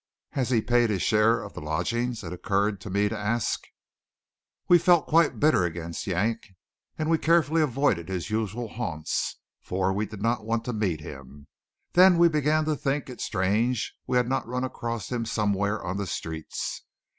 "Has he paid his share of the lodgings?" it occurred to me to ask. We felt quite bitter against Yank, and we carefully avoided his usual haunts, for we did not want to meet him. Then we began to think it strange we had not run across him somewhere on the streets.